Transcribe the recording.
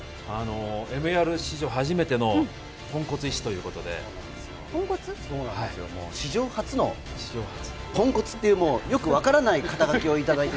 ＭＥＲ史上初めてのポンコツ医師ということで、史上初のポンコツというよく分からない肩書きをいただいて。